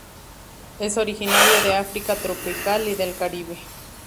Es originario de África tropical y del Caribe.